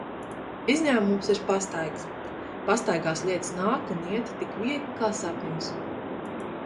Izņēmums ir pastaigas. Pastaigās lietas nāk un iet tik viegli, kā sapņos.